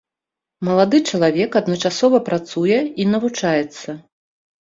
Малады чалавек адначасова працуе і навучаецца.